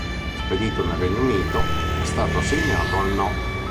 Spedito nel Regno Unito, è stato assegnato al No.